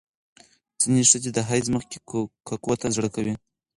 ځینې ښځې د حیض مخکې ککو ته زړه کوي.